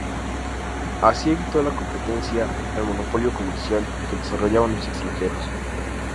Así, se evitó la competencia al monopolio comercial que desarrollaban los extranjeros.